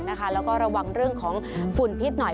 แล้วก็ระวังเรื่องของฝุ่นพิษหน่อย